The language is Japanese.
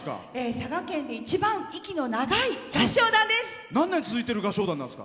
佐賀県で一番息の長い合唱団です。